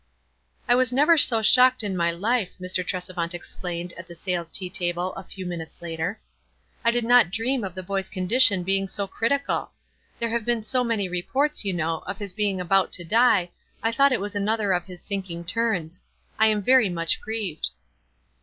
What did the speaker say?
"I was never so shocked in my life," Mr. Tresevant explained at the Sayles' tea table a few minutes later. "I did not dream of the boy r s condition being so critical. There have been so many reports, }'ou know, of his being about to die, I thought it was another of his sinking turns. I am very much grieved."